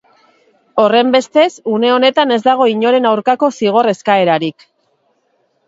Horrenbestez, une honetan ez dago inoren aurkako zigor eskaerarik.